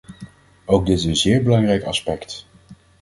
Ook dit is een zeer belangrijk aspect.